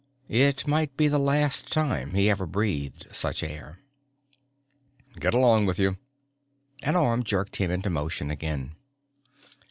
It might be the last time he ever breathed such air. "Get along with you." An arm jerked him into motion again.